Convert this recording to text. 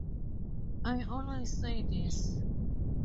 I always say this.